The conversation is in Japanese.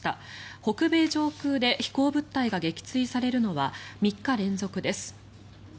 北米上空で飛行物体が撃墜されるのは３日連続です。